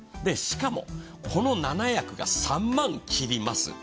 しかも、この７役が３万切ります。